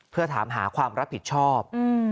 เพื่อถามหาความรับผิดชอบ